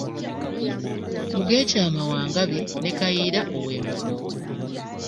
Migeekyamye wa Ngabi ne Kayiira ow'Embogo.